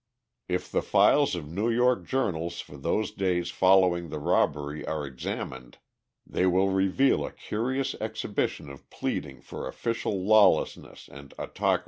If the files of New York journals for those days following the robbery are examined they will reveal a curious exhibition of pleading for official lawlessness and autocracy.